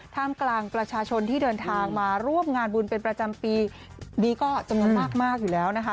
ท่ามกลางประชาชนที่เดินทางมาร่วมงานบุญเป็นประจำปีนี้ก็จำนวนมากอยู่แล้วนะคะ